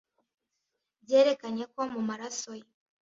byerekanye ko mu maraso ye